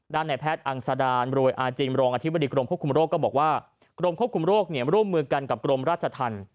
ในแพทย์อังสดารรวยอาจิมรองอธิบดีกรมควบคุมโรคก็บอกว่ากรมควบคุมโรคร่วมมือกันกับกรมราชธรรม